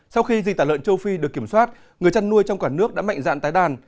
sau khi dịch tả lợn châu phi được kiểm soát người chăn nuôi trong cả nước đã mạnh dạn tái đàn